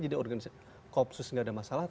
jadi organisasi opsus tidak ada masalah